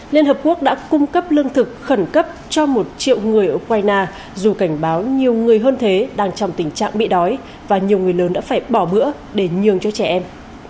liên hợp quốc đã cung cấp lương thực khẩn cấp cho một triệu người ở ukraine dù cảnh báo nhiều người hơn thế đang trong tình trạng bị đói và nhiều người lớn đã phải bỏ bữa để nhường cho trẻ em